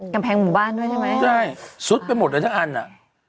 กำแพงหมู่บ้านด้วยใช่ไหมใช่ซุดไปหมดเลยทั้งอันอ่ะ